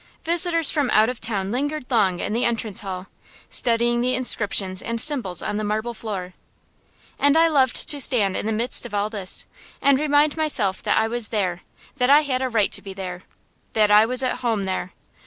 Visitors from out of town lingered long in the entrance hall, studying the inscriptions and symbols on the marble floor. And I loved to stand in the midst of all this, and remind myself that I was there, that I had a right to be there, that I was at home there.